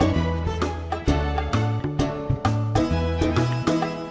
ini kok kuningnya di tengah